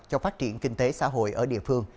cho phát triển kinh tế xã hội ở địa phương